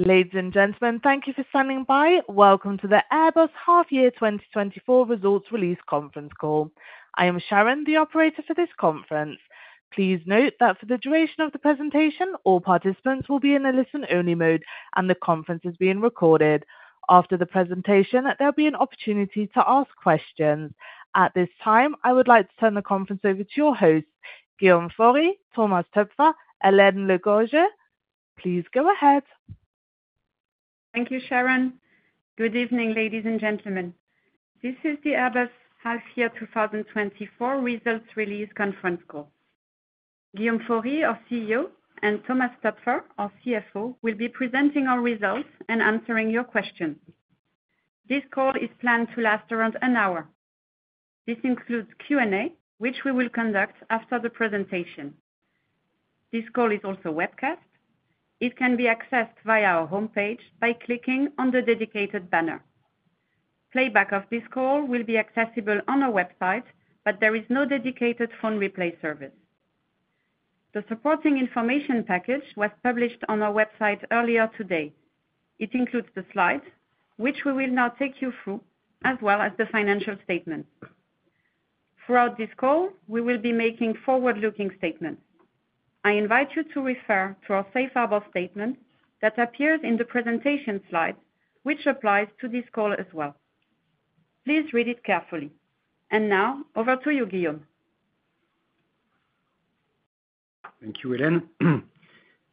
Ladies and gentlemen, thank you for standing by. Welcome to the Airbus Half-Year 2024 Results Release Conference Call. I am Sharon, the operator for this conference. Please note that for the duration of the presentation, all participants will be in a listen-only mode, and the conference is being recorded. After the presentation, there'll be an opportunity to ask questions. At this time, I would like to turn the conference over to your hosts, Guillaume Faury, Thomas Toepfer, Hélène Le Gorgeu. Please go ahead. Thank you, Sharon. Good evening, ladies and gentlemen. This is the Airbus Half-Year 2024 Results Release Conference Call. Guillaume Faury, our CEO, and Thomas Toepfer, our CFO, will be presenting our results and answering your questions. This call is planned to last around an hour. This includes Q&A, which we will conduct after the presentation. This call is also webcast. It can be accessed via our homepage by clicking on the dedicated banner. Playback of this call will be accessible on our website, but there is no dedicated phone replay service. The supporting information package was published on our website earlier today. It includes the slides, which we will now take you through, as well as the financial statements. Throughout this call, we will be making forward-looking statements. I invite you to refer to our Safe Harbor Statement that appears in the presentation slides, which applies to this call as well. Please read it carefully. And now, over to you, Guillaume. Thank you, Hélène.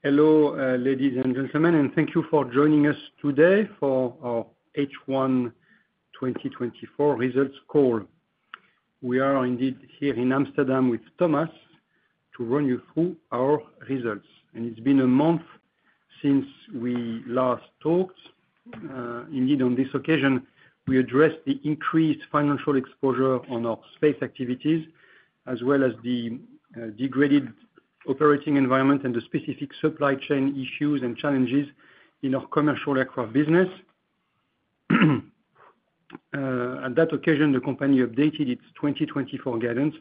Hello, ladies and gentlemen, and thank you for joining us today for our H1 2024 Results Call. We are indeed here in Amsterdam with Thomas to run you through our results. It's been a month since we last talked. Indeed, on this occasion, we addressed the increased financial exposure on our space activities, as well as the degraded operating environment and the specific supply chain issues and challenges in our commercial aircraft business. At that occasion, the company updated its 2024 guidance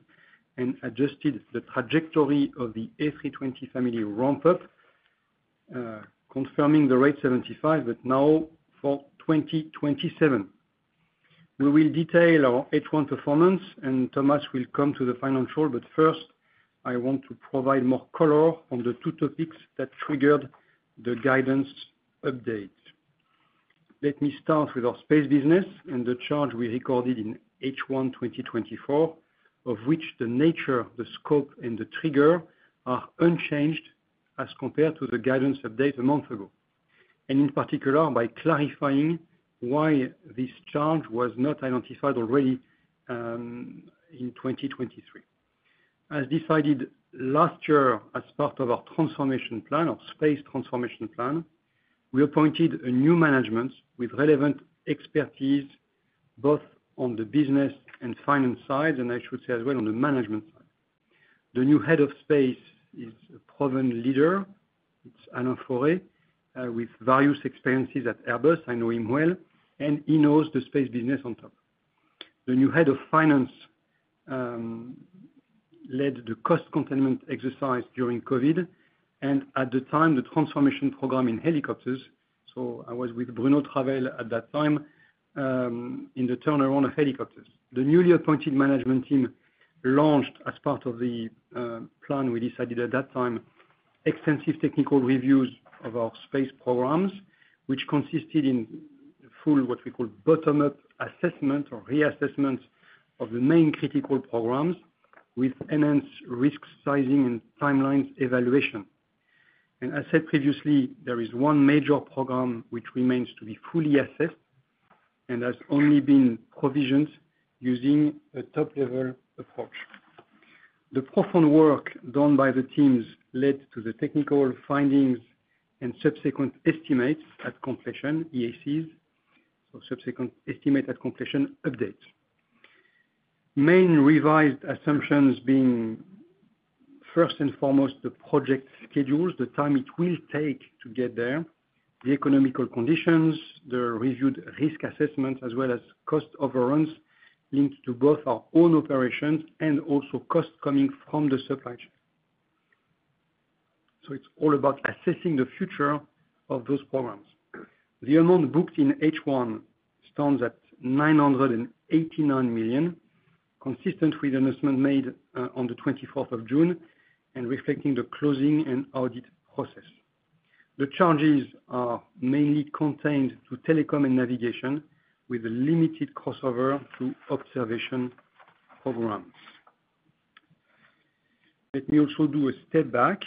and adjusted the trajectory of the A320 Family ramp-up, confirming the Rate 75, but now for 2027. We will detail our H1 performance, and Thomas will come to the final call, but first, I want to provide more color on the two topics that triggered the guidance update. Let me start with our space business and the charge we recorded in H1 2024, of which the nature, the scope, and the trigger are unchanged as compared to the guidance update a month ago, and in particular, by clarifying why this charge was not identified already in 2023. As decided last year as part of our transformation plan, our space transformation plan, we appointed a new management with relevant expertise, both on the business and finance sides, and I should say as well on the management side. The new head of space is a proven leader. It's Alain Fauré, with various experiences at Airbus. I know him well, and he knows the space business on top. The new head of finance led the cost containment exercise during COVID, and at the time, the transformation program in helicopters. So I was with Bruno Travert at that time in the turnaround of helicopters. The newly appointed management team launched, as part of the plan we decided at that time, extensive technical reviews of our space programs, which consisted in full, what we call, bottom-up assessment or reassessment of the main critical programs, with enhanced risk sizing and timelines evaluation. And as said previously, there is one major program which remains to be fully assessed and has only been provisioned using a top-level approach. The profound work done by the teams led to the technical findings and subsequent estimates at completion, EACs, so subsequent estimate at completion updates. Main revised assumptions being, first and foremost, the project schedules, the time it will take to get there, the economic conditions, the reviewed risk assessments, as well as cost overruns linked to both our own operations and also costs coming from the supply chain. So it's all about assessing the future of those programs. The amount booked in H1 stands at 989 million, consistent with the announcement made on the 24th of June and reflecting the closing and audit process. The charges are mainly contained to telecom and navigation, with limited crossover to observation programs. Let me also do a step back.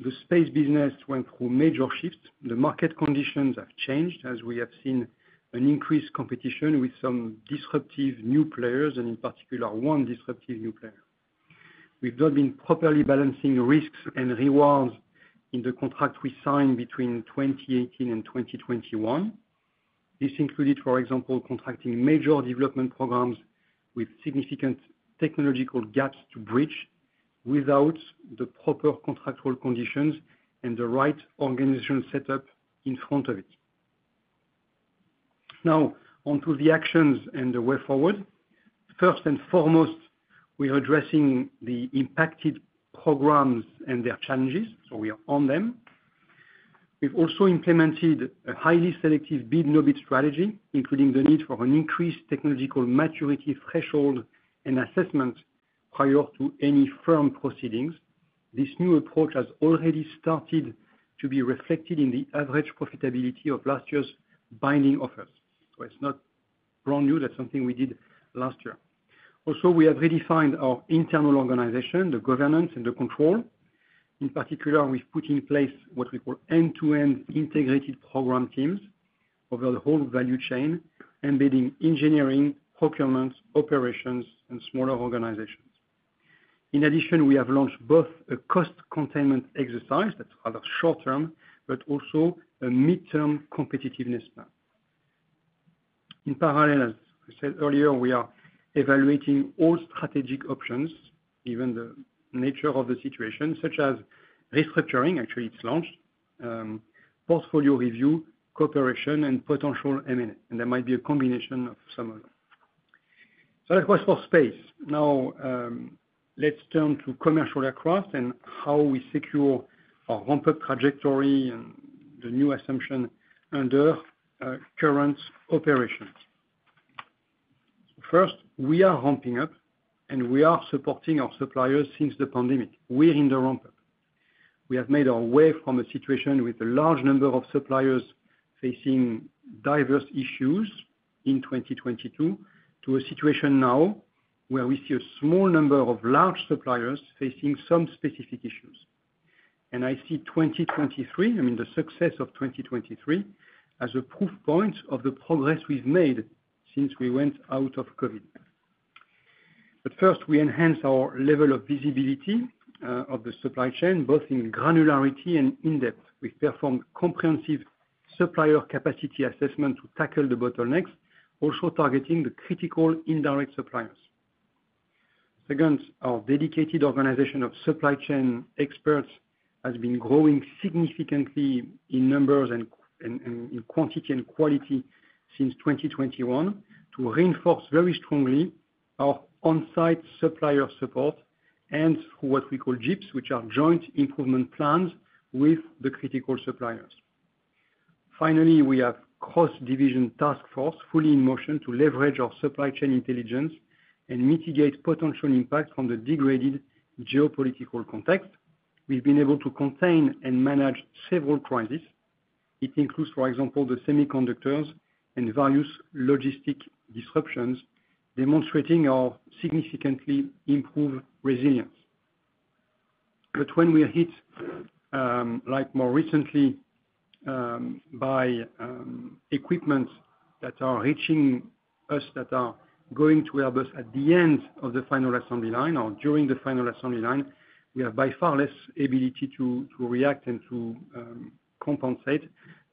The space business went through major shifts. The market conditions have changed, as we have seen an increased competition with some disruptive new players, and in particular, one disruptive new player. We've not been properly balancing risks and rewards in the contract we signed between 2018 and 2021. This included, for example, contracting major development programs with significant technological gaps to bridge without the proper contractual conditions and the right organizational setup in front of it. Now, onto the actions and the way forward. First and foremost, we are addressing the impacted programs and their challenges, so we are on them. We've also implemented a highly selective bid/no-bid strategy, including the need for an increased technological maturity threshold and assessment prior to any firm proceedings. This new approach has already started to be reflected in the average profitability of last year's binding offers. So it's not brand new. That's something we did last year. Also, we have redefined our internal organization, the governance and the control. In particular, we've put in place what we call end-to-end integrated program teams over the whole value chain, embedding engineering, procurement, operations, and smaller organizations. In addition, we have launched both a cost containment exercise that's rather short-term, but also a midterm competitiveness plan. In parallel, as I said earlier, we are evaluating all strategic options, given the nature of the situation, such as restructuring, actually, it's launched, portfolio review, cooperation, and potential M&A. There might be a combination of some of them. That was for space. Now, let's turn to commercial aircraft and how we secure our ramp-up trajectory and the new assumption under current operations. First, we are ramping up, and we are supporting our suppliers since the pandemic. We're in the ramp-up. We have made our way from a situation with a large number of suppliers facing diverse issues in 2022 to a situation now where we see a small number of large suppliers facing some specific issues. I see 2023, I mean the success of 2023, as a proof point of the progress we've made since we went out of COVID. But first, we enhance our level of visibility of the supply chain, both in granularity and in-depth. We've performed comprehensive supplier capacity assessment to tackle the bottlenecks, also targeting the critical indirect suppliers. Second, our dedicated organization of supply chain experts has been growing significantly in numbers and in quantity and quality since 2021 to reinforce very strongly our on-site supplier support and through what we call JIPs, which are joint improvement plans with the critical suppliers. Finally, we have a cross-division task force fully in motion to leverage our supply chain intelligence and mitigate potential impacts from the degraded geopolitical context. We've been able to contain and manage several crises. It includes, for example, the semiconductors and various logistics disruptions, demonstrating our significantly improved resilience. But when we are hit, like more recently, by equipment that are reaching us that are going to Airbus at the end of the final assembly line or during the final assembly line, we have by far less ability to react and to compensate.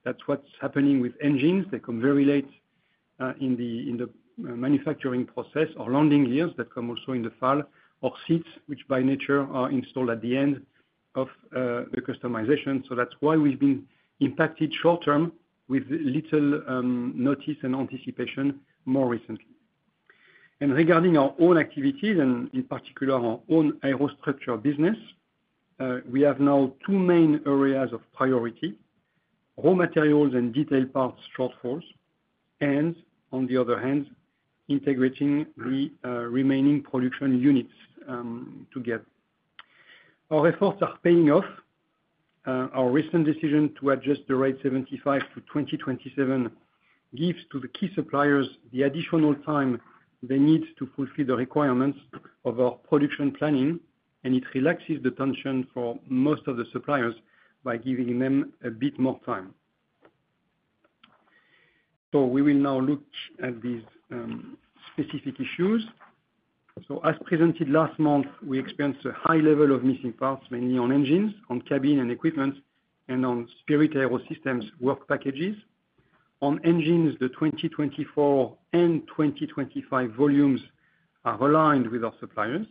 That's what's happening with engines. They come very late in the manufacturing process or landing gears. That come also in the fall, or seats, which by nature are installed at the end of the customization. So that's why we've been impacted short-term with little notice and anticipation more recently. Regarding our own activities, and in particular, our own aero structure business, we have now two main areas of priority: raw materials and detailed parts shortfalls, and on the other hand, integrating the remaining production units together. Our efforts are paying off. Our recent decision to adjust the Rate 75 to 2027 gives the key suppliers the additional time they need to fulfill the requirements of our production planning, and it relaxes the tension for most of the suppliers by giving them a bit more time. We will now look at these specific issues. As presented last month, we experienced a high level of missing parts, mainly on engines, on cabin and equipment, and on Spirit AeroSystems work packages. On engines, the 2024 and 2025 volumes are aligned with our suppliers.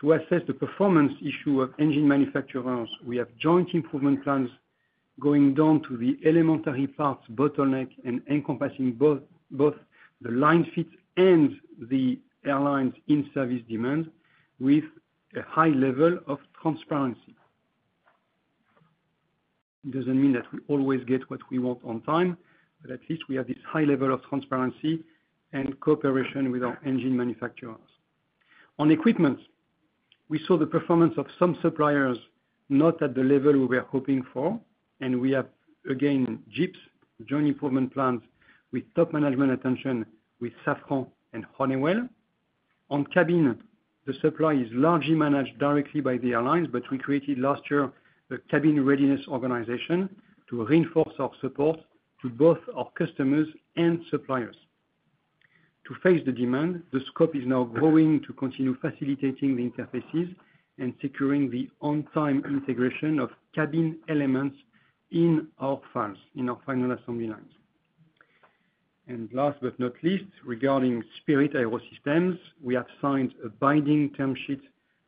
To assess the performance issue of engine manufacturers, we have joint improvement plans going down to the elementary parts bottleneck and encompassing both the line fits and the airlines' in-service demands with a high level of transparency. It doesn't mean that we always get what we want on time, but at least we have this high level of transparency and cooperation with our engine manufacturers. On equipment, we saw the performance of some suppliers not at the level we were hoping for, and we have, again, JIPs, joint improvement plans with top management attention with Safran and Honeywell. On cabin, the supply is largely managed directly by the airlines, but we created last year a cabin readiness organization to reinforce our support to both our customers and suppliers. To face the demand, the scope is now growing to continue facilitating the interfaces and securing the on-time integration of cabin elements in our final assembly lines. And last but not least, regarding Spirit AeroSystems, we have signed a binding term sheet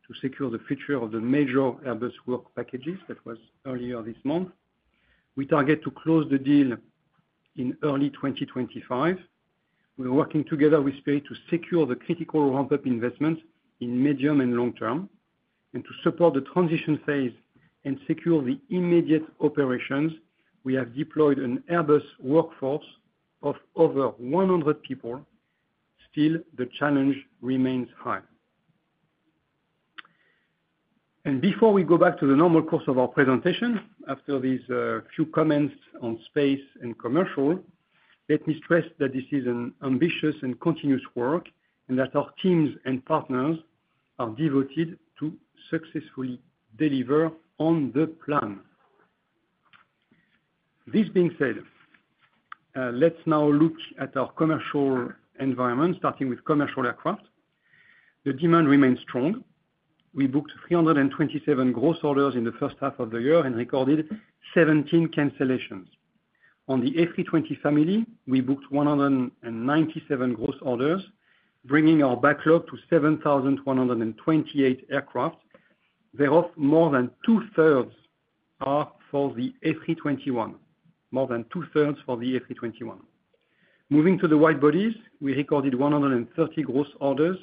to secure the future of the major Airbus work packages that was earlier this month. We target to close the deal in early 2025. We're working together with Spirit to secure the critical ramp-up investments in medium and long term. And to support the transition phase and secure the immediate operations, we have deployed an Airbus workforce of over 100 people. Still, the challenge remains high. And before we go back to the normal course of our presentation, after these few comments on space and commercial, let me stress that this is an ambitious and continuous work and that our teams and partners are devoted to successfully deliver on the plan. This being said, let's now look at our commercial environment, starting with commercial aircraft. The demand remains strong. We booked 327 gross orders in the first half of the year and recorded 17 cancellations. On the A320 family, we booked 197 gross orders, bringing our backlog to 7,128 aircraft. Thereof, more than two-thirds are for the A321, more than two-thirds for the A321. Moving to the wide bodies, we recorded 130 gross orders,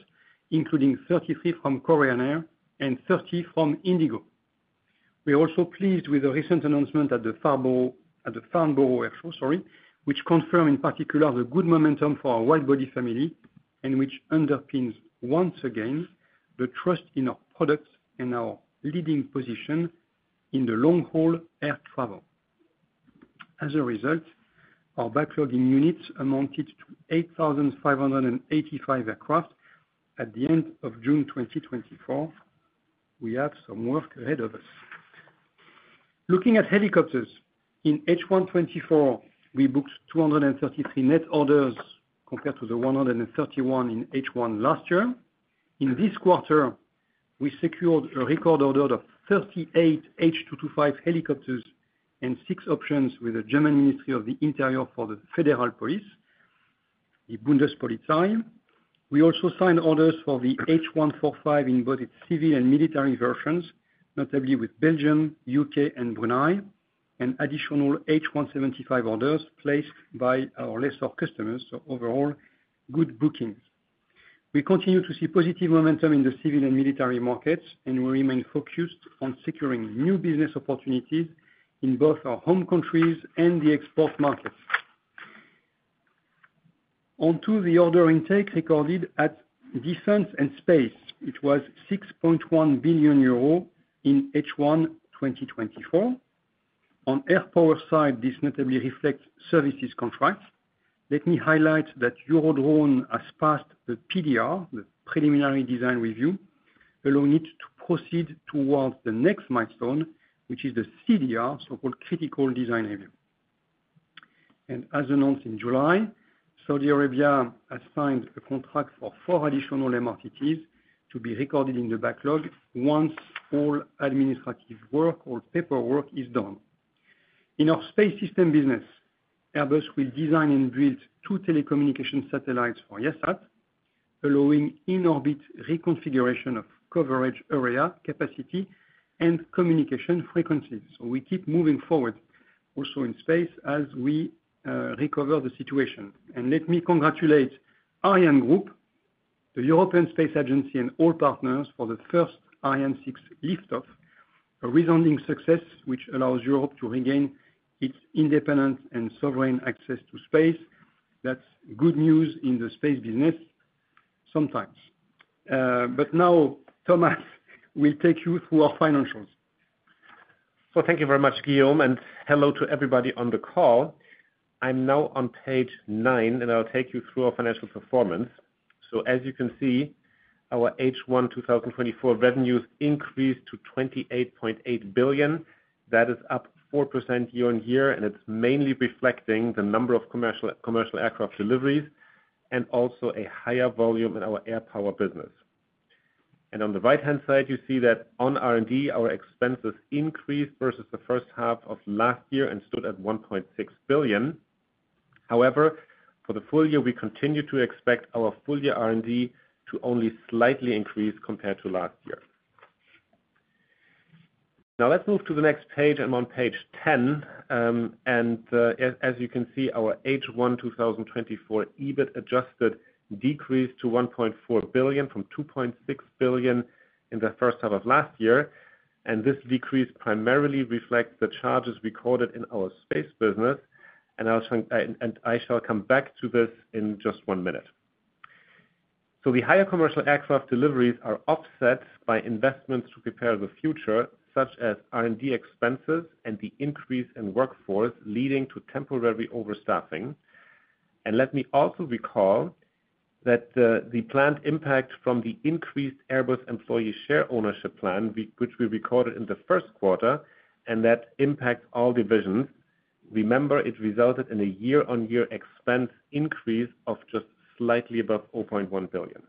including 33 from Korean Air and 30 from IndiGo. We are also pleased with the recent announcement at the Farnborough Airshow, sorry, which confirmed in particular the good momentum for our wide body family and which underpins once again the trust in our products and our leading position in the long-haul air travel. As a result, our backlog in units amounted to 8,585 aircraft at the end of June 2024. We have some work ahead of us. Looking at helicopters, in H1 2024, we booked 233 net orders compared to the 131 in H1 last year. In this quarter, we secured a record order of 38 H225 helicopters and 6 options with the German Ministry of the Interior for the Federal Police, the Bundespolizei. We also signed orders for the H145 in both its civil and military versions, notably with Belgium, UK, and Brunei, and additional H175 orders placed by our lessor customers. So overall, good bookings. We continue to see positive momentum in the civil and military markets, and we remain focused on securing new business opportunities in both our home countries and the export markets. On to the order intake recorded at Defence and Space. It was 6.1 billion euros in H1 2024. On air power side, this notably reflects services contracts. Let me highlight that Eurodrone has passed the PDR, the preliminary design review, allowing it to proceed towards the next milestone, which is the CDR, so-called critical design review. And as announced in July, Saudi Arabia has signed a contract for 4 additional MRTTs to be recorded in the backlog once all administrative work or paperwork is done. In our space system business, Airbus will design and build two telecommunication satellites for Eutelsat, allowing in-orbit reconfiguration of coverage area capacity and communication frequencies. So we keep moving forward also in space as we recover the situation. And let me congratulate ArianeGroup, the European Space Agency, and all partners for the first Ariane 6 liftoff, a resounding success which allows Europe to regain its independence and sovereign access to space. That's good news in the space business sometimes. But now, Thomas, we'll take you through our financials. Well, thank you very much, Guillaume, and hello to everybody on the call. I'm now on page 9, and I'll take you through our financial performance. So as you can see, our H1 2024 revenues increased to 28.8 billion. That is up 4% year-on-year, and it's mainly reflecting the number of commercial aircraft deliveries and also a higher volume in our air power business. On the right-hand side, you see that on R&D, our expenses increased versus the first half of last year and stood at 1.6 billion. However, for the full year, we continue to expect our full-year R&D to only slightly increase compared to last year. Now, let's move to the next page and on page 10. As you can see, our H1 2024 EBIT Adjusted decreased to 1.4 billion from 2.6 billion in the first half of last year. This decrease primarily reflects the charges recorded in our space business. I shall come back to this in just one minute. The higher commercial aircraft deliveries are offset by investments to prepare the future, such as R&D expenses and the increase in workforce leading to temporary overstaffing. Let me also recall that the planned impact from the increased Airbus employee share ownership plan, which we recorded in the first quarter, and that impacts all divisions, remember it resulted in a year-on-year expense increase of just slightly above 0.1 billion.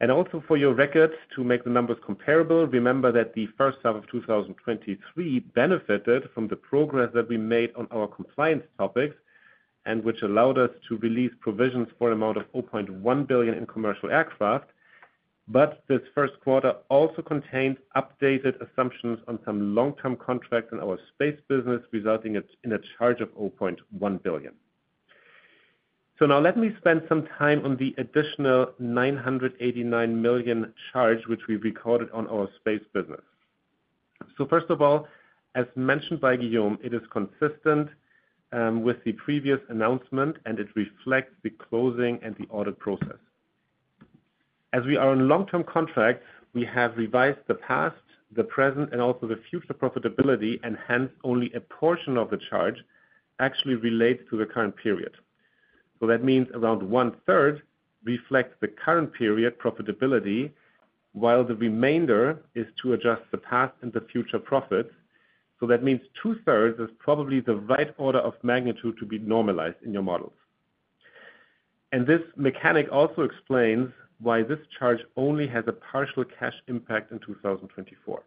Also for your records, to make the numbers comparable, remember that the first half of 2023 benefited from the progress that we made on our compliance topics and which allowed us to release provisions for an amount of 0.1 billion in commercial aircraft. This first quarter also contained updated assumptions on some long-term contracts in our space business, resulting in a charge of 0.1 billion. Now let me spend some time on the additional 989 million charge which we recorded on our space business. First of all, as mentioned by Guillaume, it is consistent with the previous announcement, and it reflects the closing and the audit process. As we are on long-term contracts, we have revised the past, the present, and also the future profitability, and hence only a portion of the charge actually relates to the current period. That means around one-third reflects the current period profitability, while the remainder is to adjust the past and the future profits. That means two-thirds is probably the right order of magnitude to be normalized in your models. This mechanic also explains why this charge only has a partial cash impact in 2024.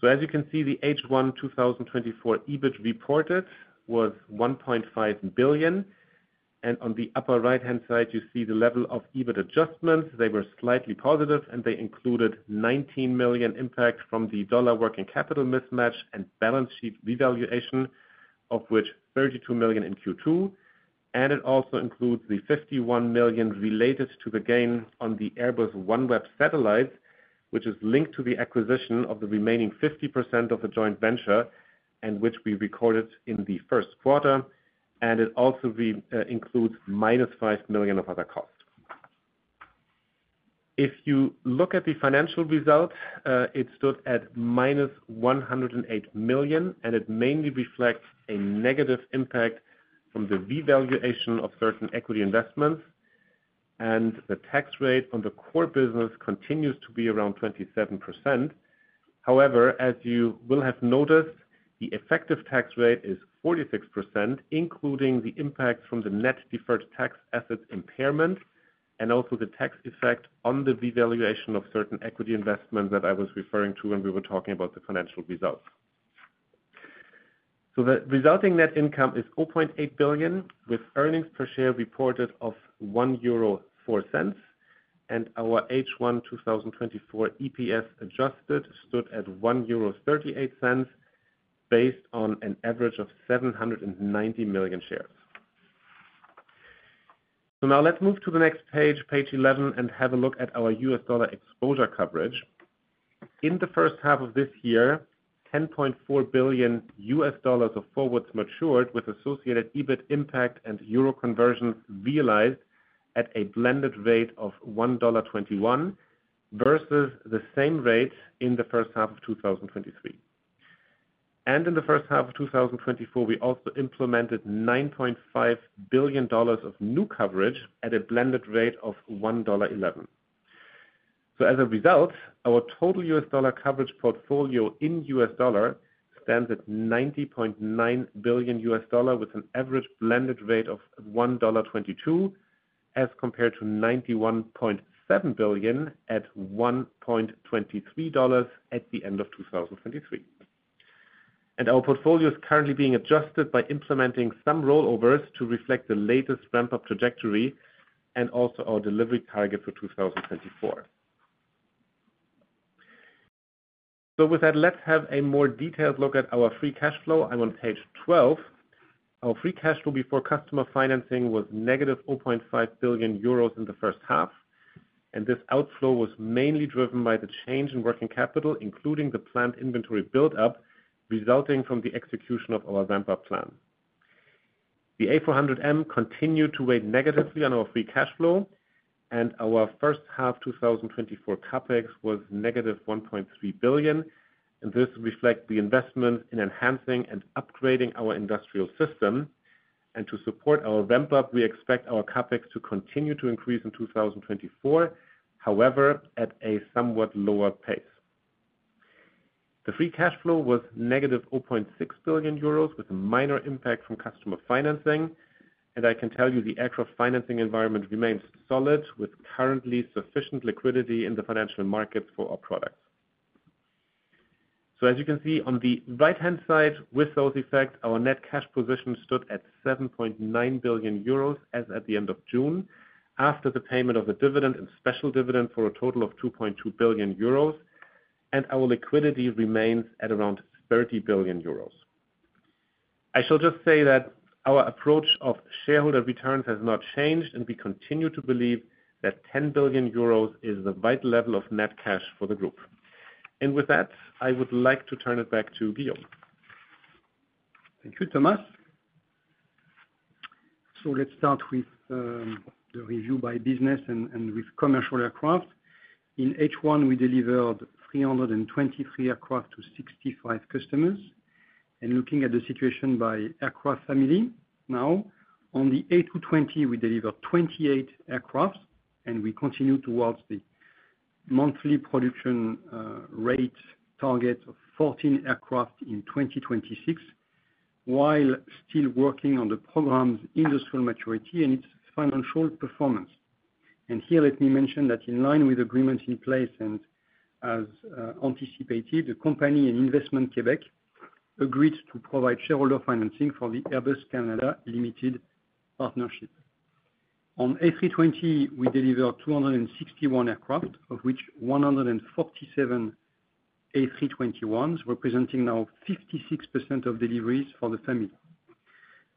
So as you can see, the H1 2024 EBIT reported was 1.5 billion. On the upper right-hand side, you see the level of EBIT adjustments. They were slightly positive, and they included 19 million impact from the dollar working capital mismatch and balance sheet revaluation, of which 32 million in Q2. It also includes the 51 million related to the gain on the Airbus OneWeb Satellites, which is linked to the acquisition of the remaining 50% of the joint venture and which we recorded in the first quarter. It also includes -5 million of other costs. If you look at the financial result, it stood at -108 million, and it mainly reflects a negative impact from the revaluation of certain equity investments. The tax rate on the core business continues to be around 27%. However, as you will have noticed, the effective tax rate is 46%, including the impact from the net deferred tax assets impairment and also the tax effect on the revaluation of certain equity investments that I was referring to when we were talking about the financial results. The resulting net income is 0.8 billion, with earnings per share reported of 1.04 euro. Our H1 2024 EPS adjusted stood at 1.38 euro based on an average of 790 million shares. Now let's move to the next page, page 11, and have a look at our U.S. dollar exposure coverage. In the first half of this year, $10.4 billion of forwards matured with associated EBIT impact and euro conversions realized at a blended rate of 1.21 versus the same rate in the first half of 2023. In the first half of 2024, we also implemented $9.5 billion of new coverage at a blended rate of 1.11. As a result, our total US dollar coverage portfolio in US dollars stands at $90.9 billion with an average blended rate of 1.22 as compared to $91.7 billion at 1.23 dollars at the end of 2023. Our portfolio is currently being adjusted by implementing some rollovers to reflect the latest ramp-up trajectory and also our delivery target for 2024. With that, let's have a more detailed look at our free cash flow. I'm on page 12. Our free cash flow before customer financing was negative 0.5 billion euros in the first half. This outflow was mainly driven by the change in working capital, including the planned inventory build-up resulting from the execution of our ramp-up plan. The A400M continued to weigh negatively on our free cash flow, and our first half 2024 CapEx was negative 1.3 billion. This reflects the investment in enhancing and upgrading our industrial system. To support our ramp-up, we expect our CapEx to continue to increase in 2024, however, at a somewhat lower pace. The free cash flow was negative 0.6 billion euros with a minor impact from customer financing. I can tell you the aircraft financing environment remains solid with currently sufficient liquidity in the financial markets for our products. As you can see on the right-hand side, with those effects, our net cash position stood at 7.9 billion euros as at the end of June after the payment of a dividend and special dividend for a total of 2.2 billion euros. Our liquidity remains at around 30 billion euros. I shall just say that our approach of shareholder returns has not changed, and we continue to believe that 10 billion euros is the right level of net cash for the group. With that, I would like to turn it back to Guillaume. Thank you, Thomas. So let's start with the review by business and with commercial aircraft. In H1, we delivered 323 aircraft to 65 customers. Looking at the situation by aircraft family now, on the A220, we delivered 28 aircraft, and we continue towards the monthly production rate target of 14 aircraft in 2026 while still working on the program's industrial maturity and its financial performance. Here, let me mention that in line with agreements in place and as anticipated, the company and Investissement Québec agreed to provide shareholder financing for the Airbus Canada Limited Partnership. On A320, we delivered 261 aircraft, of which 147 A321s, representing now 56% of deliveries for the family.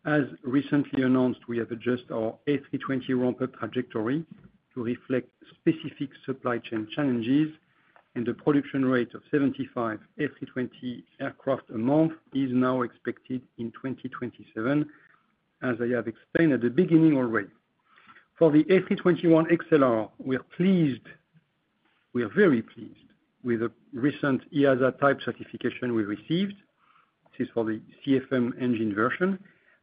As recently announced, we have adjusted our A320 ramp-up trajectory to reflect specific supply chain challenges, and the production rate of 75 A320 aircraft a month is now expected in 2027, as I have explained at the beginning already. For the A321XLR, we are very pleased with the recent EASA type certification we received. This is for the CFM engine version.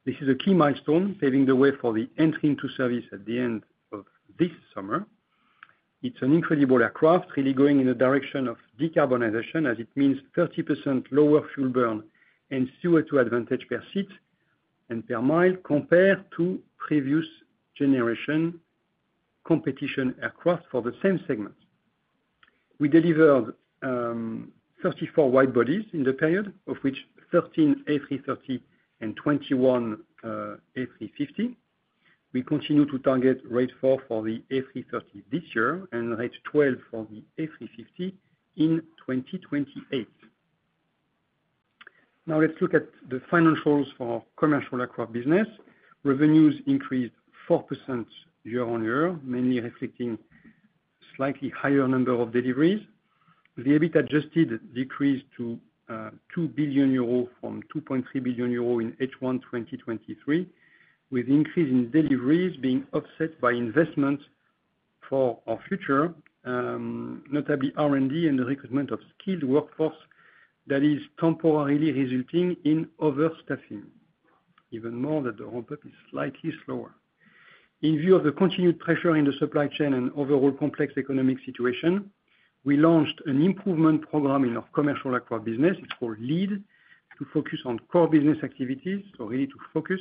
This is a key milestone paving the way for the entry into service at the end of this summer. It's an incredible aircraft, really going in the direction of decarbonization, as it means 30% lower fuel burn and fewer to advantage per seat and per mile compared to previous generation competition aircraft for the same segment. We delivered 34 wide bodies in the period, of which 13 A330 and 21 A350. We continue to target rate 4 for the A330 this year and rate 12 for the A350 in 2028. Now, let's look at the financials for commercial aircraft business. Revenues increased 4% year-on-year, mainly reflecting a slightly higher number of deliveries. The EBIT Adjusted decreased to 2 billion euro from 2.3 billion euro in H1 2023, with increase in deliveries being offset by investments for our future, notably R&D and the recruitment of skilled workforce that is temporarily resulting in overstaffing. Even more that the ramp-up is slightly slower. In view of the continued pressure in the supply chain and overall complex economic situation, we launched an improvement program in our commercial aircraft business. It's called LEAD to focus on core business activities, so really to focus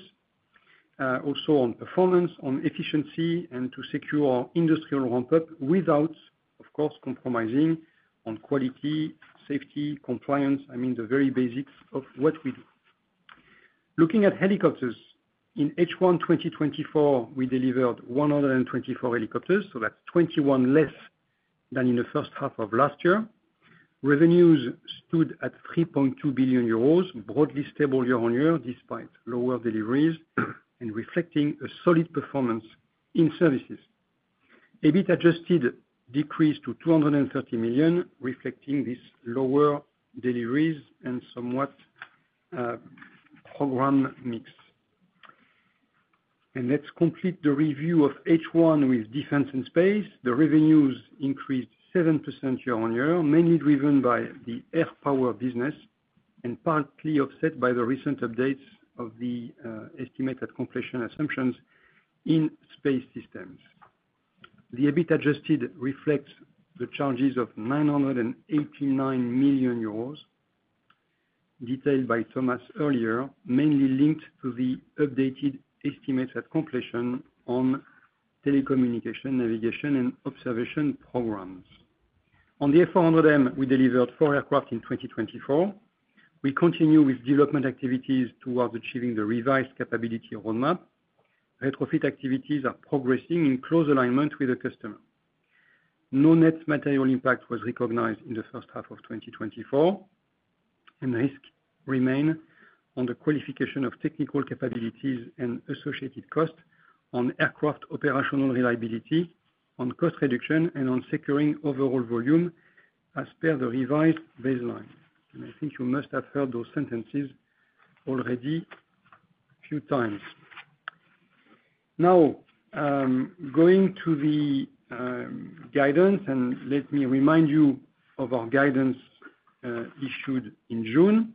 also on performance, on efficiency, and to secure our industrial ramp-up without, of course, compromising on quality, safety, compliance, I mean the very basics of what we do. Looking at helicopters, in H1 2024, we delivered 124 helicopters, so that's 21 less than in the first half of last year. Revenues stood at 3.2 billion euros, broadly stable year on year despite lower deliveries and reflecting a solid performance in services. EBIT adjusted decreased to 230 million, reflecting these lower deliveries and somewhat program mix. Let's complete the review of H1 with defense and space. The revenues increased 7% year on year, mainly driven by the air power business and partly offset by the recent updates of the estimated completion assumptions in space systems. The EBIT Adjusted reflects the charges of 989 million euros detailed by Thomas earlier, mainly linked to the updated estimates at completion on telecommunication, navigation, and observation programs. On the A400M, we delivered four aircraft in 2024. We continue with development activities towards achieving the revised capability roadmap. Retrofit activities are progressing in close alignment with the customer. No net material impact was recognized in the first half of 2024, and risks remain on the qualification of technical capabilities and associated costs on aircraft operational reliability, on cost reduction, and on securing overall volume as per the revised baseline. And I think you must have heard those sentences already a few times. Now, going to the guidance, and let me remind you of our guidance issued in June.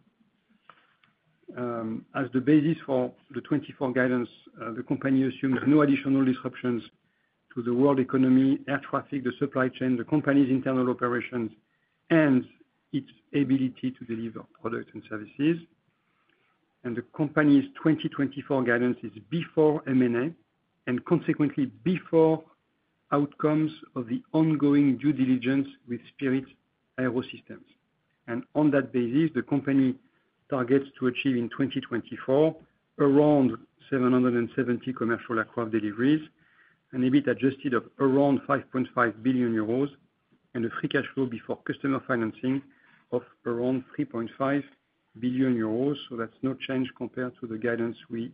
As the basis for the 2024 guidance, the company assumes no additional disruptions to the world economy, air traffic, the supply chain, the company's internal operations, and its ability to deliver products and services. The company's 2024 guidance is before M&A and consequently before outcomes of the ongoing due diligence with Spirit AeroSystems. On that basis, the company targets to achieve in 2024 around 770 commercial aircraft deliveries, an EBIT adjusted of around 5.5 billion euros, and a free cash flow before customer financing of around 3.5 billion euros. That's no change compared to the guidance we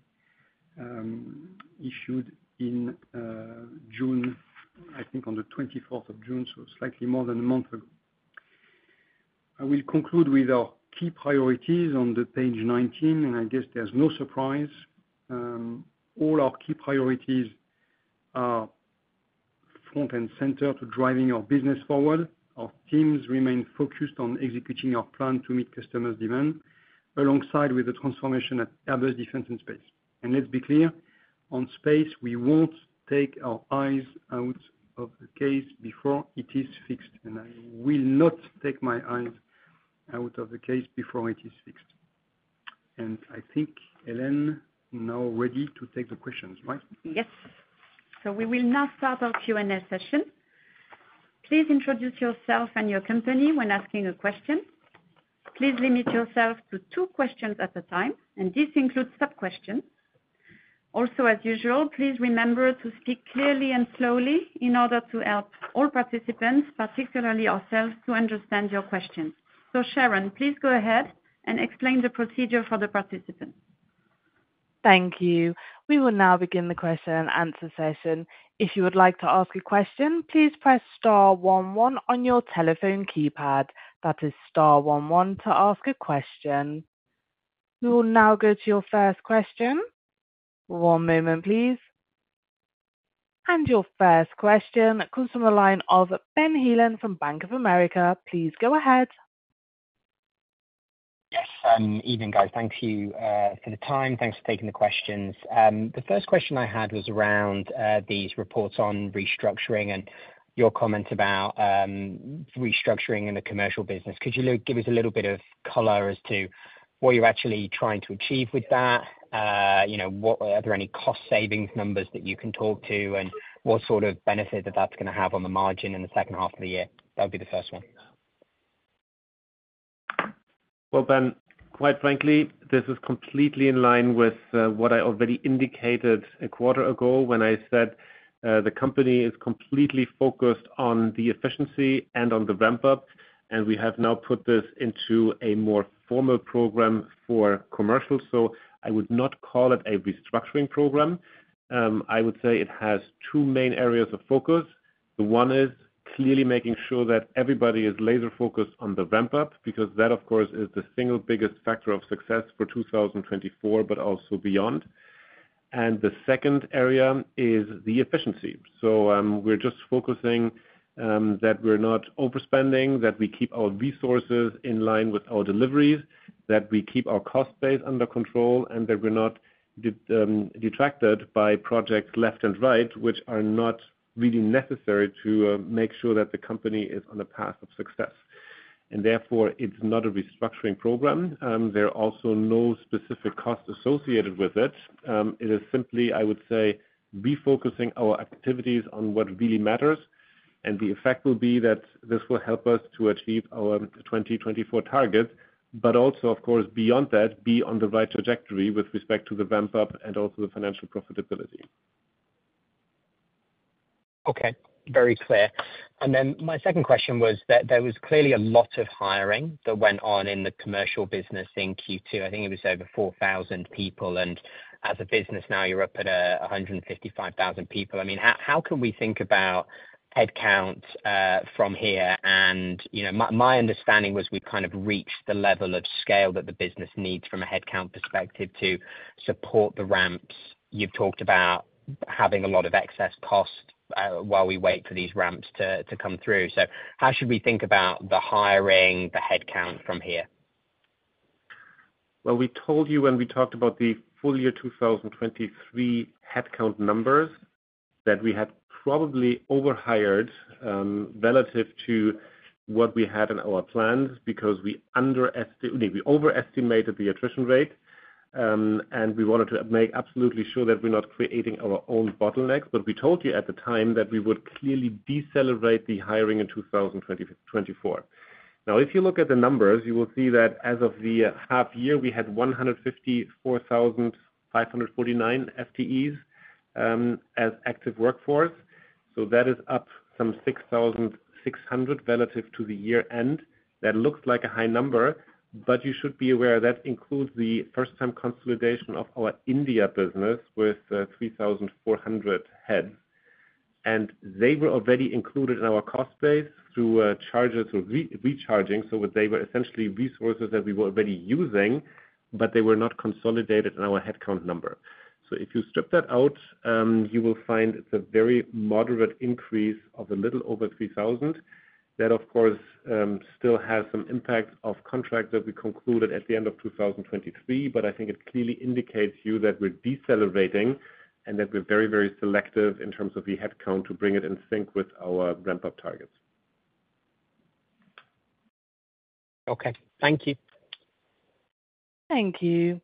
issued in June, I think on the 24th of June, so slightly more than a month ago. I will conclude with our key priorities on the page 19, and I guess there's no surprise. All our key priorities are front and center to driving our business forward. Our teams remain focused on executing our plan to meet customer's demand alongside with the transformation at Airbus Defence and Space. And let's be clear, on space, we won't take our eyes out of the case before it is fixed. And I will not take my eyes out of the case before it is fixed. And I think Hélène is now ready to take the questions, right? Yes. We will now start our Q&A session. Please introduce yourself and your company when asking a question. Please limit yourself to two questions at a time, and this includes sub-questions. Also, as usual, please remember to speak clearly and slowly in order to help all participants, particularly ourselves, to understand your questions. Sharon, please go ahead and explain the procedure for the participants. Thank you. We will now begin the question and answer session. If you would like to ask a question, please press star 11 on your telephone keypad. That is star 11 to ask a question. We will now go to your first question. One moment, please. And your first question comes from the line of Ben Heelan from Bank of America. Please go ahead. Yes, evening, guys. Thank you for the time. Thanks for taking the questions. The first question I had was around these reports on restructuring and your comments about restructuring in the commercial business. Could you give us a little bit of color as to what you're actually trying to achieve with that? Are there any cost savings numbers that you can talk to, and what sort of benefit that that's going to have on the margin in the second half of the year? That would be the first one. Well, Ben, quite frankly, this is completely in line with what I already indicated a quarter ago when I said the company is completely focused on the efficiency and on the ramp-up, and we have now put this into a more formal program for commercial. So I would not call it a restructuring program. I would say it has two main areas of focus. The one is clearly making sure that everybody is laser-focused on the ramp-up because that, of course, is the single biggest factor of success for 2024, but also beyond. And the second area is the efficiency. So we're just focusing that we're not overspending, that we keep our resources in line with our deliveries, that we keep our cost base under control, and that we're not detracted by projects left and right, which are not really necessary to make sure that the company is on a path of success. And therefore, it's not a restructuring program. There are also no specific costs associated with it. It is simply, I would say, refocusing our activities on what really matters. And the effect will be that this will help us to achieve our 2024 targets, but also, of course, beyond that, be on the right trajectory with respect to the ramp-up and also the financial profitability. Okay. Very clear. And then my second question was that there was clearly a lot of hiring that went on in the commercial business in Q2. I think it was over 4,000 people. And as a business now, you're up at 155,000 people. I mean, how can we think about headcount from here? And my understanding was we've kind of reached the level of scale that the business needs from a headcount perspective to support the ramps. You've talked about having a lot of excess costs while we wait for these ramps to come through. So how should we think about the hiring, the headcount from here? Well, we told you when we talked about the full year 2023 headcount numbers that we had probably overhired relative to what we had in our plans because we overestimated the attrition rate, and we wanted to make absolutely sure that we're not creating our own bottlenecks. But we told you at the time that we would clearly decelerate the hiring in 2024. Now, if you look at the numbers, you will see that as of the half year, we had 154,549 FTEs as active workforce. So that is up some 6,600 relative to the year-end. That looks like a high number, but you should be aware that includes the first-time consolidation of our India business with 3,400 heads. They were already included in our cost base through charges or recharging. So they were essentially resources that we were already using, but they were not consolidated in our headcount number. So if you strip that out, you will find it's a very moderate increase of a little over 3,000. That, of course, still has some impact of contracts that we concluded at the end of 2023, but I think it clearly indicates to you that we're decelerating and that we're very, very selective in terms of the headcount to bring it in sync with our ramp-up targets. Okay. Thank you. Thank you.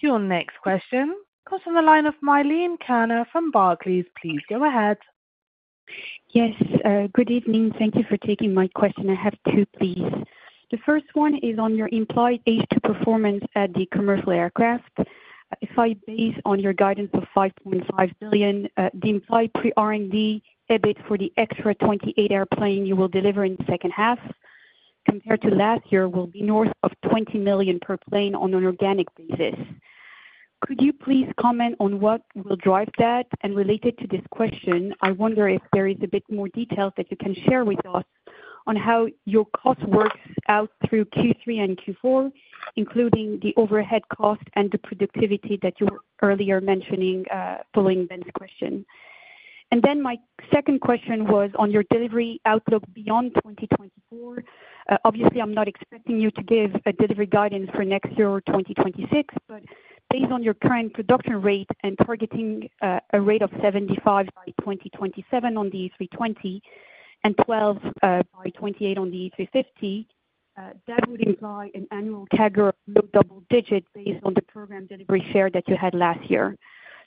Your next question comes from the line of Milene Kerner from Barclays. Please go ahead. Yes. Good evening. Thank you for taking my question. I have two, please. The first one is on your implied H2 performance at the commercial aircraft. If I base on your guidance of 5.5 billion, the implied pre-R&D EBIT for the extra 28 airplanes you will deliver in the second half compared to last year will be north of 20 million per plane on an organic basis. Could you please comment on what will drive that? And related to this question, I wonder if there is a bit more detail that you can share with us on how your cost works out through Q3 and Q4, including the overhead cost and the productivity that you were earlier mentioning following Ben's question. And then my second question was on your delivery outlook beyond 2024. Obviously, I'm not expecting you to give a delivery guidance for next year or 2026, but based on your current production rate and targeting a rate of 75 by 2027 on the A320 and 12 by 2028 on the A350, that would imply an annual CAGR of low double digits based on the program delivery share that you had last year.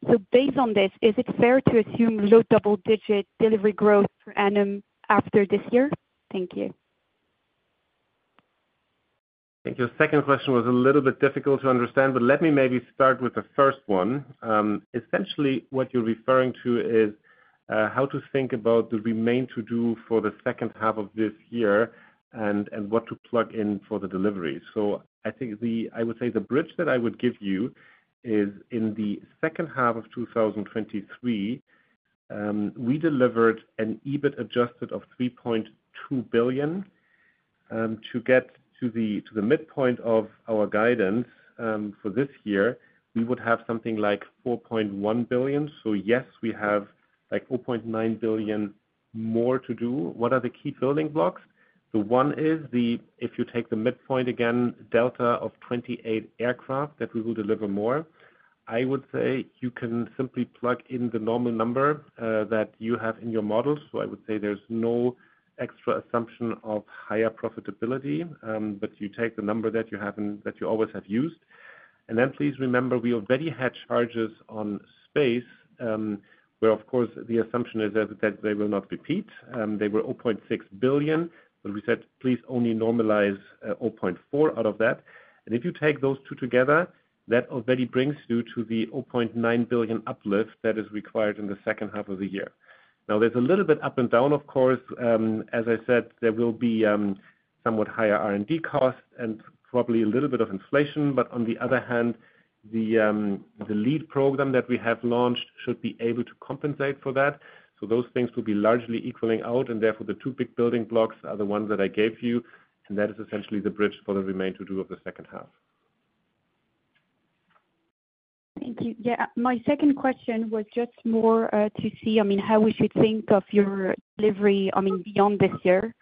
So based on this, is it fair to assume low double digit delivery growth per annum after this year? Thank you. Thank you. Second question was a little bit difficult to understand, but let me maybe start with the first one. Essentially, what you're referring to is how to think about the remain-to-do for the second half of this year and what to plug in for the deliveries. So I think I would say the bridge that I would give you is in the second half of 2023, we delivered an EBIT Adjusted of 3.2 billion. To get to the midpoint of our guidance for this year, we would have something like 4.1 billion. So yes, we have like 4.9 billion more to do. What are the key building blocks? The one is, if you take the midpoint again, delta of 28 aircraft that we will deliver more. I would say you can simply plug in the normal number that you have in your models. So I would say there's no extra assumption of higher profitability, but you take the number that you always have used. And then please remember, we already had charges on space where, of course, the assumption is that they will not repeat. They were 0.6 billion, but we said, "Please only normalize 0.4 billion out of that." And if you take those two together, that already brings you to the 0.9 billion uplift that is required in the second half of the year. Now, there's a little bit up and down, of course. As I said, there will be somewhat higher R&D costs and probably a little bit of inflation. But on the other hand, the LEAD program that we have launched should be able to compensate for that. So those things will be largely equaling out. And therefore, the two big building blocks are the ones that I gave you, and that is essentially the bridge for the remain-to-do of the second half. Thank you. Yeah. My second question was just more to see, I mean, how we should think of your delivery, I mean, beyond this year.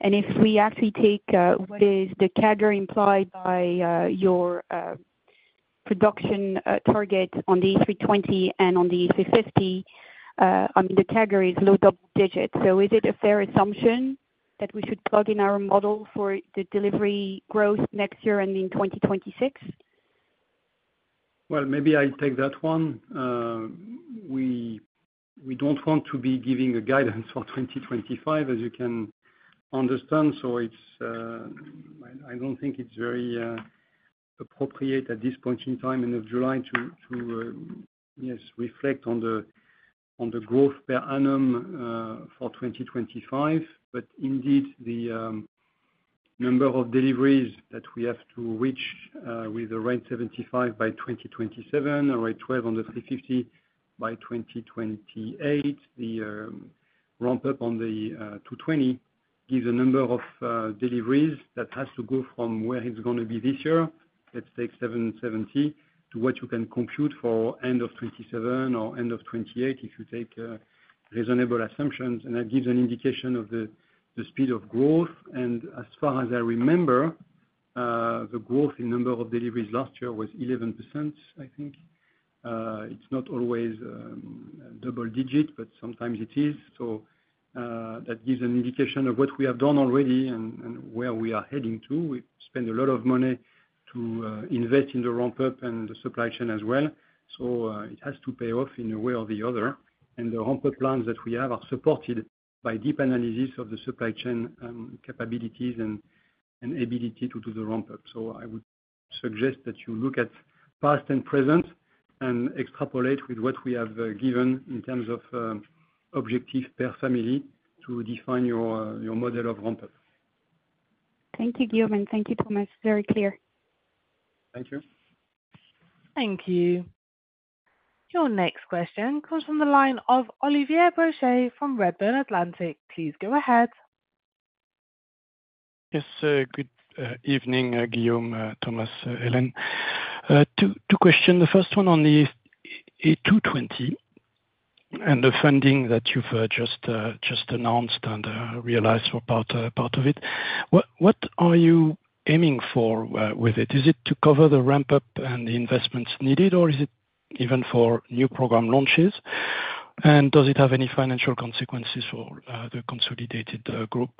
And if we actually take what is the CAGR implied by your production target on the A320 and on the A350, I mean, the CAGR is low double digits. So is it a fair assumption that we should plug in our model for the delivery growth next year and in 2026? Well, maybe I take that one. We don't want to be giving a guidance for 2025, as you can understand. So I don't think it's very appropriate at this point in time in July to, yes, reflect on the growth per annum for 2025. But indeed, the number of deliveries that we have to reach with a Rate 75 by 2027, a Rate 12 on the A350 by 2028, the ramp-up on the A220 gives a number of deliveries that has to go from where it's going to be this year, let's take 770, to what you can compute for end of 2027 or end of 2028 if you take reasonable assumptions. And that gives an indication of the speed of growth. And as far as I remember, the growth in number of deliveries last year was 11%, I think. It's not always double digit, but sometimes it is. So that gives an indication of what we have done already and where we are heading to. We spend a lot of money to invest in the ramp-up and the supply chain as well. So it has to pay off in a way or the other. And the ramp-up plans that we have are supported by deep analysis of the supply chain capabilities and ability to do the ramp-up. So I would suggest that you look at past and present and extrapolate with what we have given in terms of objective per family to define your model of ramp-up. Thank you, Guillaume. And thank you, Thomas. Very clear. Thank you. Thank you. Your next question comes from the line of Olivier Brochet from Redburn Atlantic. Please go ahead. Yes. Good evening, Guillaume, Thomas, Hélène. Two questions. The first one on the A220 and the funding that you've just announced and realized for part of it. What are you aiming for with it? Is it to cover the ramp-up and the investments needed, or is it even for new program launches? And does it have any financial consequences for the consolidated group?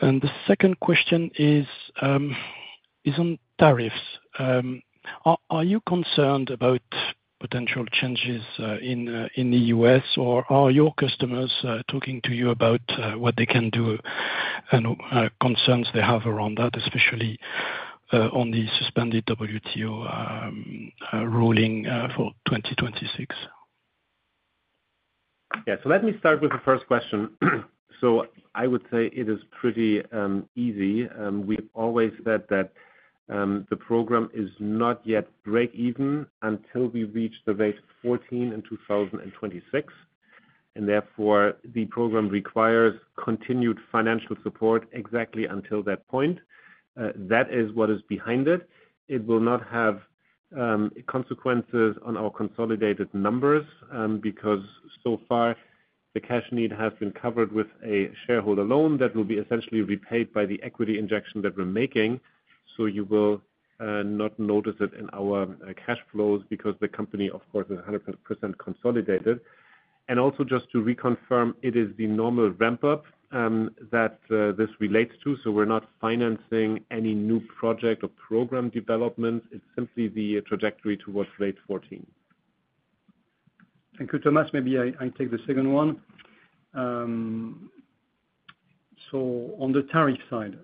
And the second question is on tariffs. Are you concerned about potential changes in the U.S., or are your customers talking to you about what they can do and concerns they have around that, especially on the suspended WTO ruling for 2026? Yeah. So let me start with the first question. So I would say it is pretty easy. We've always said that the program is not yet break-even until we reach the rate 14 in 2026. And therefore, the program requires continued financial support exactly until that point. That is what is behind it. It will not have consequences on our consolidated numbers because so far, the cash need has been covered with a shareholder loan that will be essentially repaid by the equity injection that we're making. So you will not notice it in our cash flows because the company, of course, is 100% consolidated. And also just to reconfirm, it is the normal ramp-up that this relates to. So we're not financing any new project or program developments. It's simply the trajectory towards rate 14. Thank you, Thomas. Maybe I take the second one. So on the tariff side,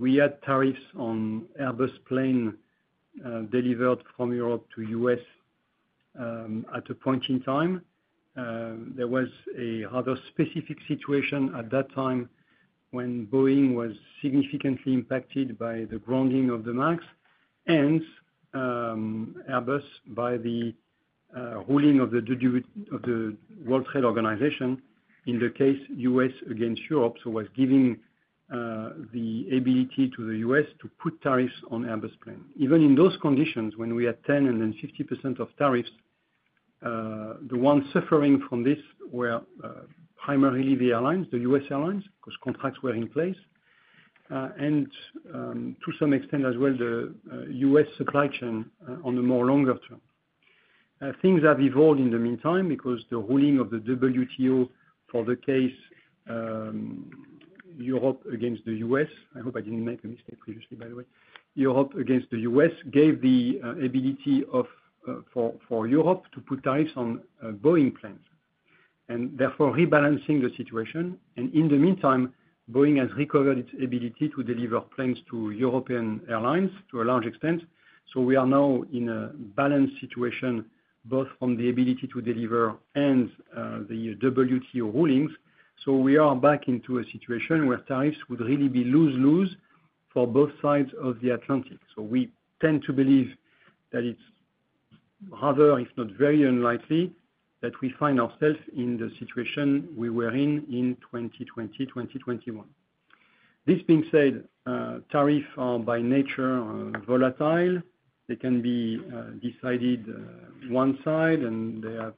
we had tariffs on Airbus planes delivered from Europe to the U.S. at a point in time. There was a rather specific situation at that time when Boeing was significantly impacted by the grounding of the MAX and Airbus by the ruling of the World Trade Organization, in the case U.S. against Europe. So it was giving the ability to the U.S. to put tariffs on Airbus planes. Even in those conditions, when we had 10% and then 50% of tariffs, the ones suffering from this were primarily the airlines, the US airlines, because contracts were in place. And to some extent as well, the U.S. supply chain on the more longer term. Things have evolved in the meantime because the ruling of the WTO for the case Europe against the U.S., I hope I didn't make a mistake previously, by the way, Europe against the U.S. gave the ability for Europe to put tariffs on Boeing planes and therefore rebalancing the situation. In the meantime, Boeing has recovered its ability to deliver planes to European airlines to a large extent. We are now in a balanced situation both from the ability to deliver and the WTO rulings. We are back into a situation where tariffs would really be lose-lose for both sides of the Atlantic. We tend to believe that it's rather, if not very unlikely, that we find ourselves in the situation we were in in 2020, 2021. This being said, tariffs are by nature volatile. They can be decided one side, and they have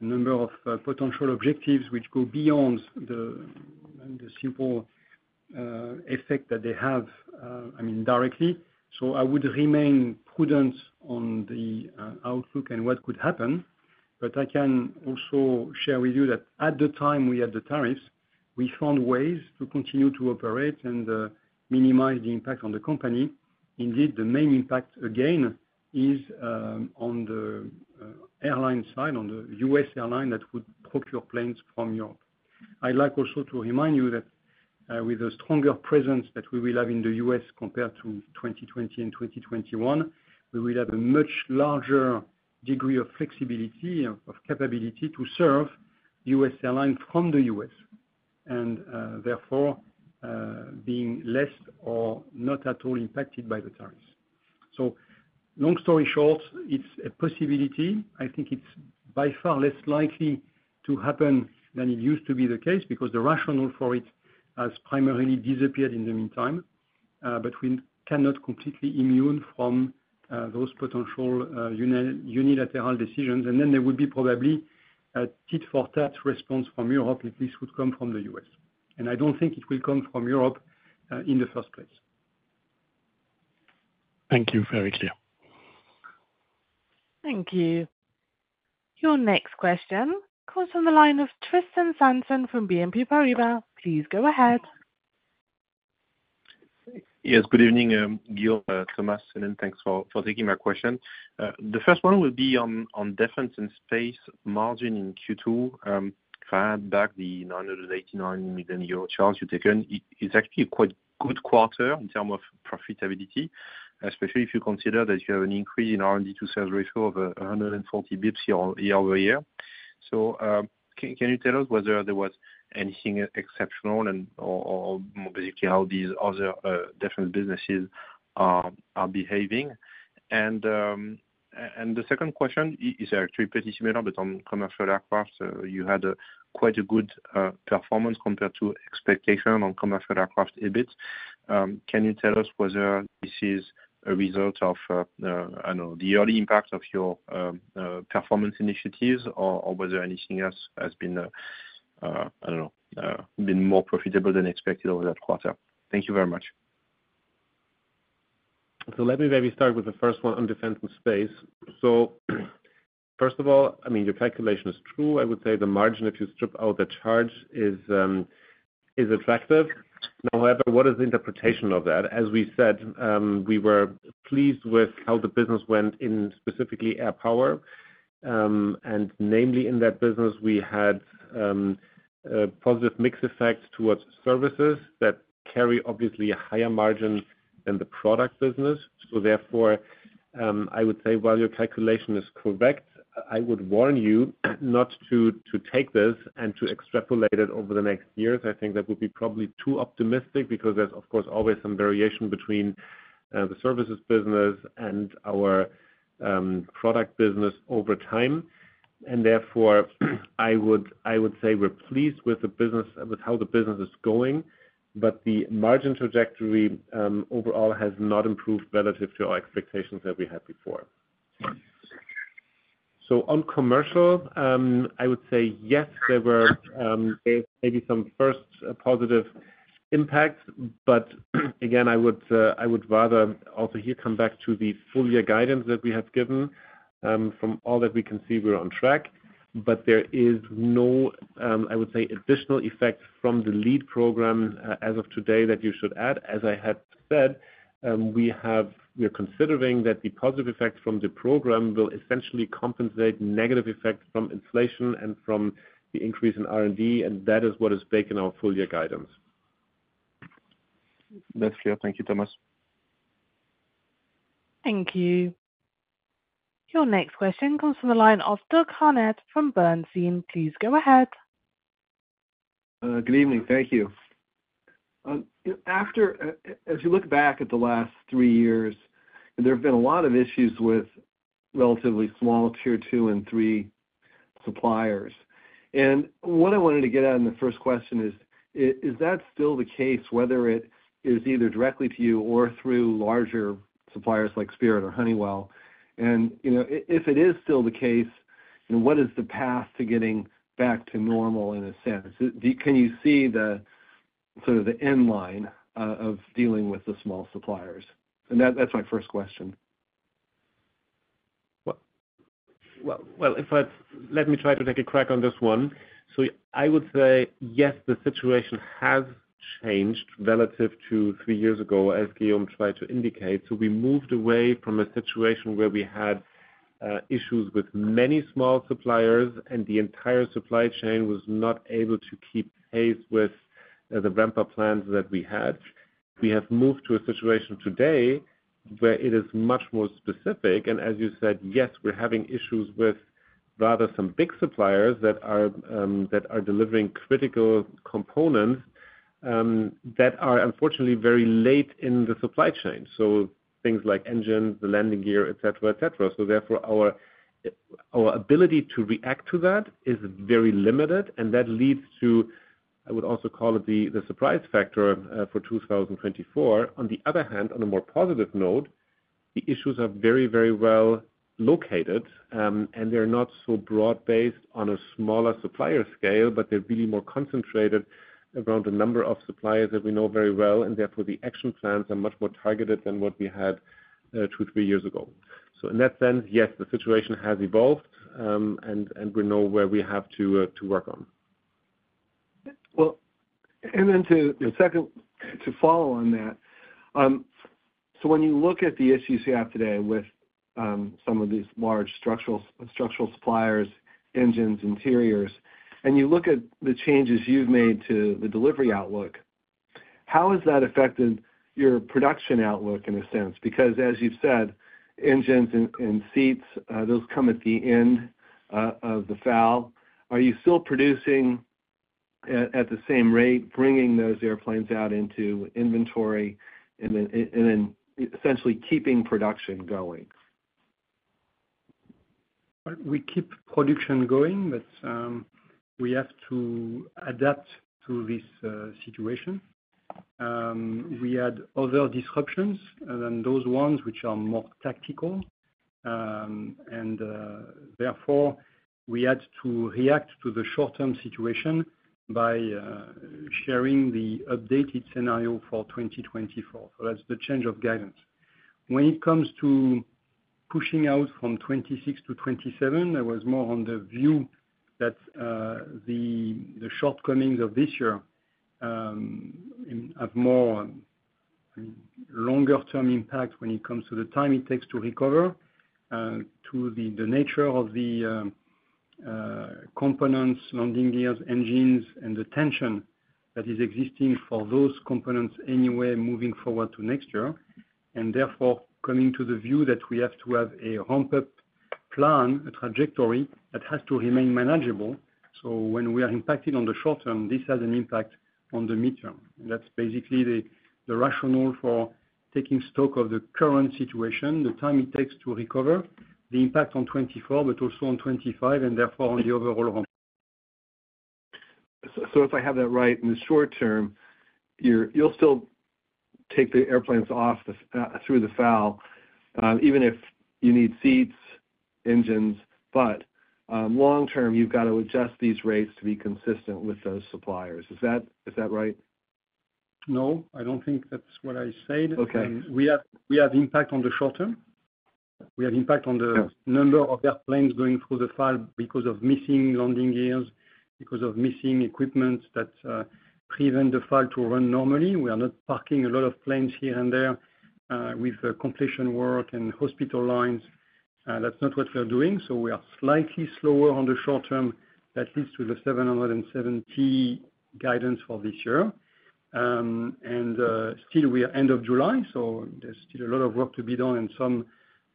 a number of potential objectives which go beyond the simple effect that they have, I mean, directly. So I would remain prudent on the outlook and what could happen. But I can also share with you that at the time we had the tariffs, we found ways to continue to operate and minimize the impact on the company. Indeed, the main impact again is on the airline side, on the U.S. airline that would procure planes from Europe. I'd like also to remind you that with a stronger presence that we will have in the U.S. compared to 2020 and 2021, we will have a much larger degree of flexibility, of capability to serve U.S. airlines from the U.S. and therefore being less or not at all impacted by the tariffs. So long story short, it's a possibility. I think it's by far less likely to happen than it used to be the case because the rationale for it has primarily disappeared in the meantime. But we cannot be completely immune from those potential unilateral decisions. And then there would be probably a tit-for-tat response from Europe, and this would come from the US. And I don't think it will come from Europe in the first place. Thank you. Very clear. Thank you. Your next question comes from the line of Tristan Sanson from BNP Paribas. Please go ahead. Yes. Good evening, Guillaume, Thomas, Hélène. Thanks for taking my question. The first one will be on defense and space margin in Q2. If I had back the 989 million euro charge you've taken, it's actually quite a good quarter in terms of profitability, especially if you consider that you have an increase in R&D to sales ratio of 140 basis points year-over-year. So can you tell us whether there was anything exceptional or basically how these other defense businesses are behaving? And the second question is actually pretty similar, but on commercial aircraft, you had quite a good performance compared to expectation on commercial aircraft EBITs. Can you tell us whether this is a result of, I don't know, the early impact of your performance initiatives or whether anything else has been, I don't know, been more profitable than expected over that quarter? Thank you very much. So let me maybe start with the first one on Defense and Space. So first of all, I mean, your calculation is true. I would say the margin, if you strip out the charge, is attractive. Now, however, what is the interpretation of that? As we said, we were pleased with how the business went in specifically Air Power. And namely, in that business, we had a positive mix effect towards services that carry obviously a higher margin than the product business. So therefore, I would say, while your calculation is correct, I would warn you not to take this and to extrapolate it over the next years. I think that would be probably too optimistic because there's, of course, always some variation between the services business and our product business over time. And therefore, I would say we're pleased with how the business is going, but the margin trajectory overall has not improved relative to our expectations that we had before. So on commercial, I would say, yes, there were maybe some first positive impacts. But again, I would rather also here come back to the full year guidance that we have given. From all that we can see, we're on track. But there is no, I would say, additional effect from the lead program as of today that you should add. As I had said, we are considering that the positive effect from the program will essentially compensate negative effect from inflation and from the increase in R&D, and that is what is baked in our full year guidance. That's clear. Thank you, Thomas. Thank you. Your next question comes from the line of Douglas Harned from Bernstein. Please go ahead. Good evening. Thank you. As you look back at the last three years, there have been a lot of issues with relatively small tier two and three suppliers. And what I wanted to get at in the first question is, is that still the case, whether it is either directly to you or through larger suppliers like Spirit or Honeywell? And if it is still the case, what is the path to getting back to normal in a sense? Can you see sort of the end line of dealing with the small suppliers? And that's my first question. Well, let me try to take a crack on this one. So I would say, yes, the situation has changed relative to three years ago, as Guillaume tried to indicate. So we moved away from a situation where we had issues with many small suppliers, and the entire supply chain was not able to keep pace with the ramp-up plans that we had. We have moved to a situation today where it is much more specific. And as you said, yes, we're having issues with rather some big suppliers that are delivering critical components that are unfortunately very late in the supply chain. So things like engines, the landing gear, etc., etc. So therefore, our ability to react to that is very limited. And that leads to, I would also call it, the surprise factor for 2024. On the other hand, on a more positive note, the issues are very, very well located, and they're not so broad based on a smaller supplier scale, but they're really more concentrated around the number of suppliers that we know very well. And therefore, the action plans are much more targeted than what we had two, three years ago. So in that sense, yes, the situation has evolved, and we know where we have to work on. Well, Hélène, to follow on that, so when you look at the issues you have today with some of these large structural suppliers, engines, interiors, and you look at the changes you've made to the delivery outlook, how has that affected your production outlook in a sense? Because, as you've said, engines and seats, those come at the end of the flow. Are you still producing at the same rate, bringing those airplanes out into inventory, and then essentially keeping production going? We keep production going, but we have to adapt to this situation. We had other disruptions than those ones which are more tactical. Therefore, we had to react to the short-term situation by sharing the updated scenario for 2024. That's the change of guidance. When it comes to pushing out from 2026 to 2027, there was more on the view that the shortcomings of this year have more longer-term impact when it comes to the time it takes to recover, to the nature of the components, landing gears, engines, and the tension that is existing for those components anyway moving forward to next year. Therefore, coming to the view that we have to have a ramp-up plan, a trajectory that has to remain manageable. When we are impacted on the short term, this has an impact on the midterm. That's basically the rationale for taking stock of the current situation, the time it takes to recover, the impact on 2024, but also on 2025, and therefore on the overall ramp-up. So if I have that right, in the short term, you'll still take the airplanes off through the FAL, even if you need seats, engines. But long term, you've got to adjust these rates to be consistent with those suppliers. Is that right? No, I don't think that's what I said. We have impact on the short term. We have impact on the number of airplanes going through the FAL because of missing landing gears, because of missing equipment that prevent the FAL to run normally. We are not parking a lot of planes here and there with completion work and hospital lines. That's not what we're doing. We are slightly slower on the short term. That leads to the 770 guidance for this year. We are end of July, so there's still a lot of work to be done and some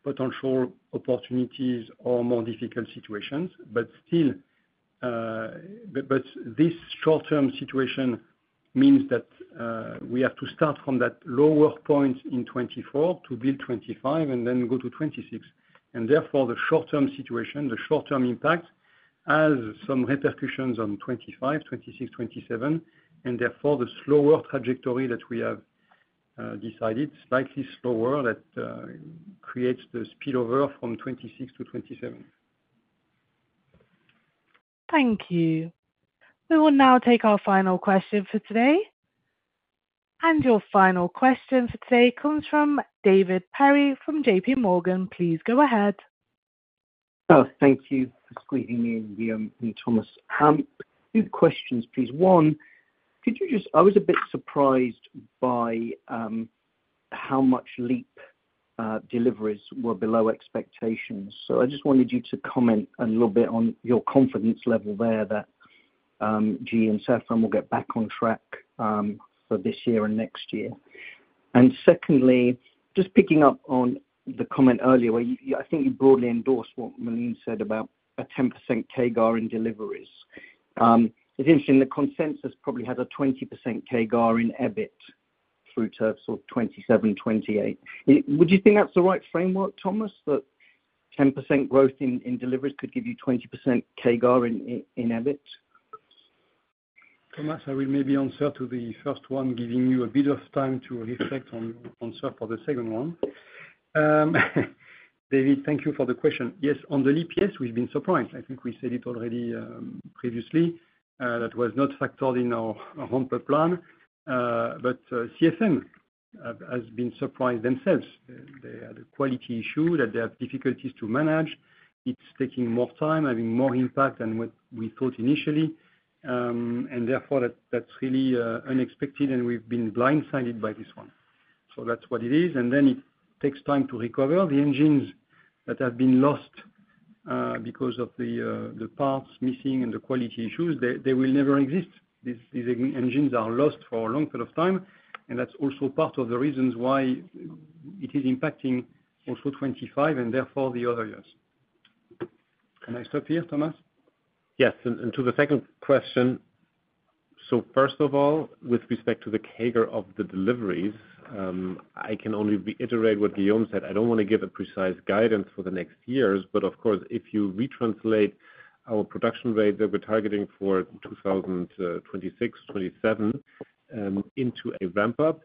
potential opportunities or more difficult situations. This short-term situation means that we have to start from that lower point in 2024 to build 2025 and then go to 2026. Therefore, the short-term situation, the short-term impact has some repercussions on 2025, 2026, 2027, and therefore the slower trajectory that we have decided, slightly slower, that creates the spillover from 2026 to 2027. Thank you. We will now take our final question for today. Your final question for today comes from David Perry from JPMorgan. Please go ahead. Thank you for squeezing me in, Guillaume and Thomas. Two questions, please. One, could you just, I was a bit surprised by how much LEAP deliveries were below expectations. So I just wanted you to comment a little bit on your confidence level there that GE and Safran will get back on track for this year and next year. And secondly, just picking up on the comment earlier, I think you broadly endorsed what Malin said about a 10% CAGR in deliveries. It's interesting that consensus probably had a 20% CAGR in EBIT through to sort of 2027, 2028. Would you think that's the right framework, Thomas, that 10% growth in deliveries could give you 20% CAGR in EBIT? Thomas, I will maybe answer to the first one, giving you a bit of time to reflect on the answer for the second one. David, thank you for the question. Yes, on the LEAP, yes, we've been surprised. I think we said it already previously. That was not factored in our ramp-up plan. But CFM has been surprised themselves. They had a quality issue that they have difficulties to manage. It's taking more time, having more impact than what we thought initially. And therefore, that's really unexpected, and we've been blindsided by this one. So that's what it is. And then it takes time to recover. The engines that have been lost because of the parts missing and the quality issues, they will never exist. These engines are lost for a long period of time. That's also part of the reasons why it is impacting also 2025 and therefore the other years. Can I stop here, Thomas? Yes. And to the second question, so first of all, with respect to the CAGR of the deliveries, I can only reiterate what Guillaume said. I don't want to give a precise guidance for the next years, but of course, if you retranslate our production rate that we're targeting for 2026, 27 into a ramp-up,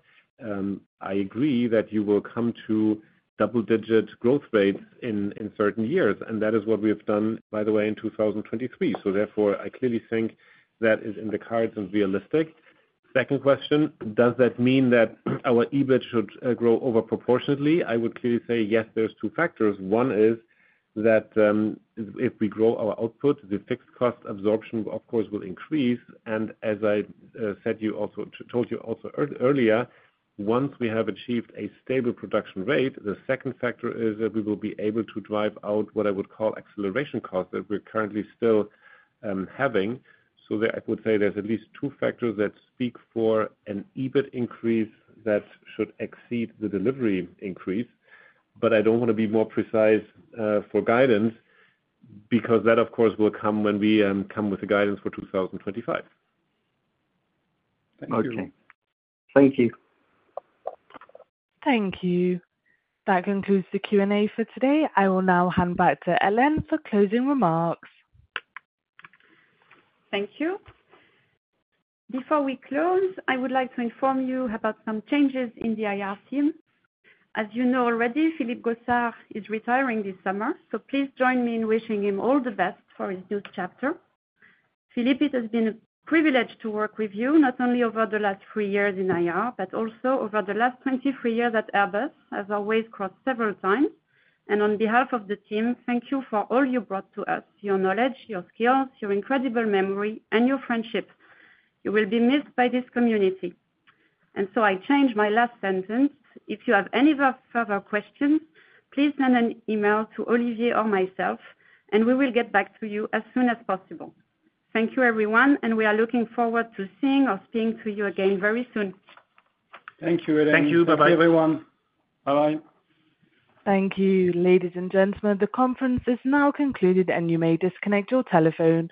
I agree that you will come to double-digit growth rates in certain years. And that is what we have done, by the way, in 2023. So therefore, I clearly think that is in the cards and realistic. Second question, does that mean that our EBIT should grow overproportionately? I would clearly say, yes, there's two factors. One is that if we grow our output, the fixed cost absorption, of course, will increase. And as I said to you also earlier, once we have achieved a stable production rate, the second factor is that we will be able to drive out what I would call acceleration costs that we're currently still having. So I would say there's at least two factors that speak for an EBIT increase that should exceed the delivery increase. But I don't want to be more precise for guidance because that, of course, will come when we come with the guidance for 2025. Thank you. Thank you. Thank you. That concludes the Q&A for today. I will now hand back to Hélène for closing remarks. Thank you. Before we close, I would like to inform you about some changes in the IR team. As you know already, Philippe Gossard is retiring this summer. So please join me in wishing him all the best for his new chapter. Philippe, it has been a privilege to work with you, not only over the last three years in IR, but also over the last 23 years at Airbus, as always crossed several times. And on behalf of the team, thank you for all you brought to us: your knowledge, your skills, your incredible memory, and your friendship. You will be missed by this community. And so I change my last sentence. If you have any further questions, please send an email to Olivier or myself, and we will get back to you as soon as possible. Thank you, everyone, and we are looking forward to seeing or speaking to you again very soon. Thank you, Hélène. Thank you. Bye-bye, everyone. Bye-bye. Thank you, ladies and gentlemen. The conference is now concluded, and you may disconnect your telephone.